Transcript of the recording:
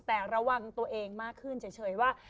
แต่ระวังตัวเองมากขึ้นเฉยว่า